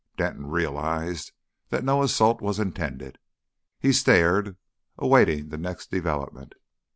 Denton realised that no assault was intended. He stared, awaiting the next development.